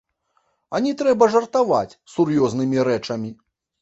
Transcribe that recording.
А не трэба жартаваць з сур'ёзнымі рэчамі.